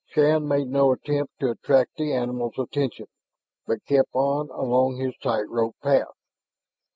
Shann made no attempt to attract the animals' attention, but kept on along his tightrope path.